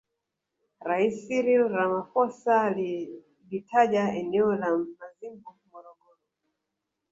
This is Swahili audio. Rais Cyril Ramaphosa alilitaja eneo la Mazimbu Morogoro